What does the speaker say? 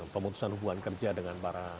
pemutusan hubungan kerja dengan para